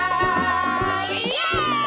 イエーイ！